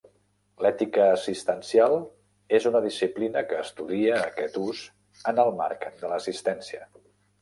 L'ètica assistencial és una disciplina que estudia aquest ús en el marc de l'assistència.